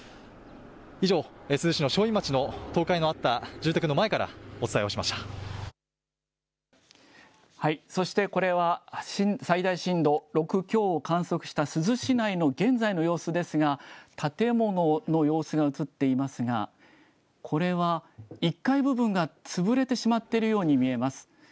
以上、珠洲市の正院町の倒壊のあった住宅の前からお伝えをしましそしてこれは、最大震度６強を観測した珠洲市内の現在の様子ですが、建物の様子が写っていますが、これは１階部分が潰れてしまっているように見えます。